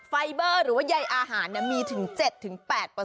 ไฟเบอร์หรือว่าใยอาหารมีถึง๗๘